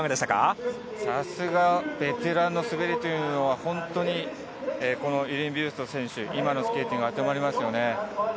さすがベテランの滑りというのは本当にイレーン・ビュスト選手、今のスケーティングですね。